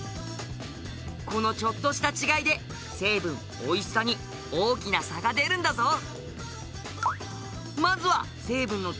このちょっとした違いで成分おいしさに大きな差が出るんだぞ！